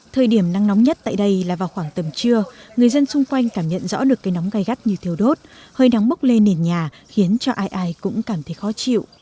thời điểm nắng nóng nhất tại đây là vào khoảng tầm trưa người dân xung quanh cảm nhận rõ được cây nóng gai gắt như thiếu đốt hơi nóng bốc lên nền nhà khiến cho ai ai cũng cảm thấy khó chịu